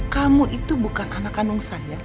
kamu itu bukan anak kandung saya